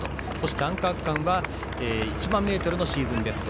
アンカー区間は１００００ｍのシーズンベスト。